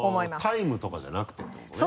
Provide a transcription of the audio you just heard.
タイムとかじゃなくてってことね。